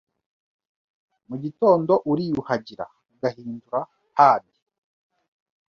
Mu gitondo uriyuhagira, ugahindura “pad”